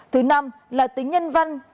thứ năm là tính nhân văn